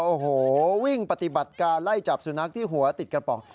โอ้โหวิ่งปฏิบัติการไล่จับสุนัขที่หัวติดกระป๋อง